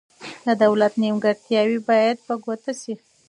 د دولت نیمګړتیاوې باید په ګوته شي.